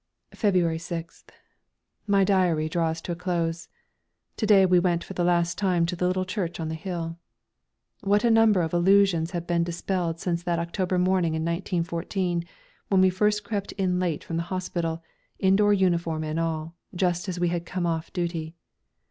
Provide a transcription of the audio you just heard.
February 6th. My diary draws to a close. To day we went for the last time to the little church on the hill. What a number of illusions have been dispelled since that October morning in 1914 when we first crept in late from the hospital, indoor uniform and all, just as we had come off duty!